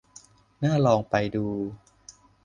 น่าลองไปดู